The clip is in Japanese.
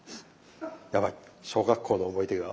やばい小学校の思い出が。